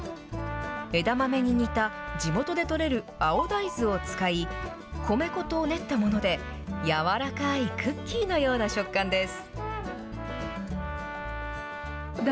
枝豆に似た、地元で取れる青大豆を使い、米粉と練ったもので、軟らかいクッキーのような食感です。